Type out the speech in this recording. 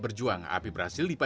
sempat menyulitkan upaya pemadaman